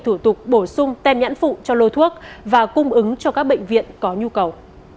thủ tục bổ sung tem nhãn phụ cho lôi thuốc và cung ứng cho các bệnh viện có nhu cầu